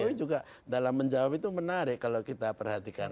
tapi juga dalam menjawab itu menarik kalau kita perhatikan